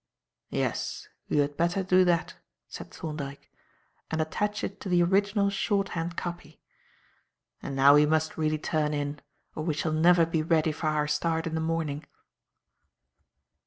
"Yes, you had better do that," said Thorndyke; "and attach it to the original shorthand copy. And now we must really turn in or we shall never be ready for our start in the morning."